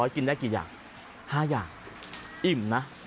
กินได้กี่อย่าง๕อย่างอิ่มนะ